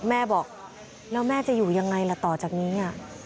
แม่บอกแล้วแม่จะอยู่ยังไงล่ะต่อจากนี้